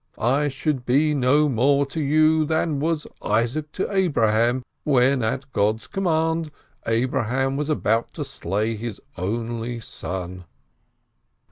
I should be no more to you than was Isaac to Abraham, when, at God's command, Abraham was about to slay his only son.